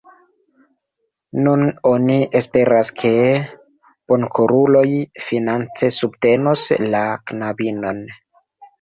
Nun oni esperas, ke bonkoruloj finance subtenos la knabinon.